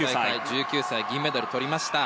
１９歳が銀メダルをとりました。